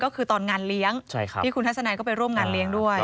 ก็คือตอนงานเลี้ยงที่คุณทัศนัยก็ไปร่วมงานเลี้ยงด้วย